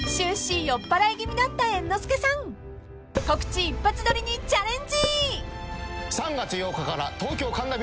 ［告知一発撮りにチャレンジ］